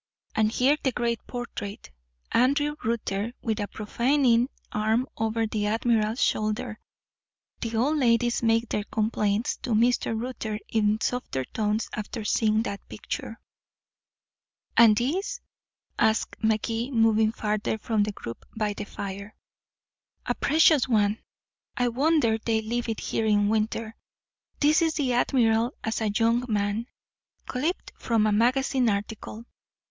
And here the great portrait Andrew Rutter with a profaning arm over the admiral's shoulder. The old ladies make their complaints to Mr. Rutter in softer tones after seeing that picture." "And this?" asked Magee, moving farther from the group by the fire. "A precious one I wonder they leave it here in winter. This is the admiral as a young man clipped from a magazine article.